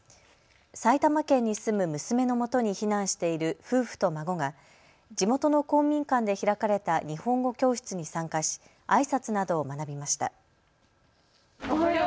埼玉県に住む娘のもとに避難している夫婦と孫が地元の公民館で開かれた日本語教室に参加しあいさつなどを学びました。